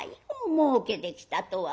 『もうけてきた』とは。